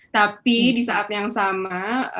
tapi di saat yang sama